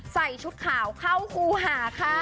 ใส่ชุดขาวเข้าครูหาค่ะ